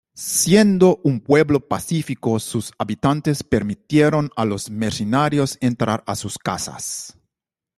Siendo un pueblo pacífico, sus habitantes permitieron a los mercenarios entrar a sus casas.